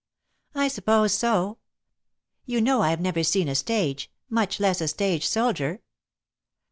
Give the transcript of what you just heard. "I suppose so. You know I've never seen a stage, much less a stage soldier."